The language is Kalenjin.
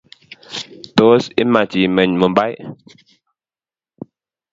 Tos imach imeny Mumbai?